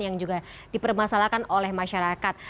yang juga dipermasalahkan oleh masyarakat